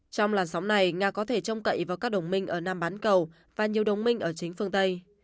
trong làn sóng này nga có thể trông cậy vào các đồng minh ở nam bán cầu và nhiều đồng minh ở chính phương tây